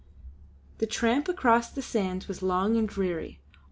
The tramp across the sands was long and dreary.